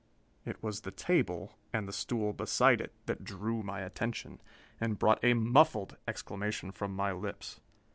It was the table, and the stool beside it, that drew my attention and brought a muffled exclamation from my lips.